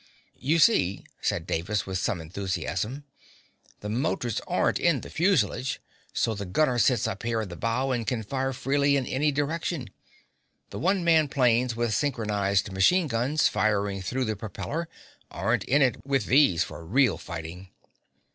"You see," said Davis, with some enthusiasm, "the motors aren't in the fusilage, so the gunner sits up here in the bow and can fire freely in any direction. The one man planes with synchronized machine guns firing through the propeller aren't in it with these for real fighting.